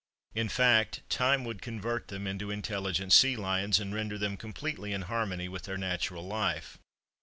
In fact, time would convert them into intelligent sea lions, and render them completely in harmony with their natural life.